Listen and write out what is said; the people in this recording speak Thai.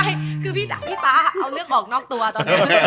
ก็คือพี่จับพี่ป๊าเอาเรื่องออกนอกตัวตอนนี้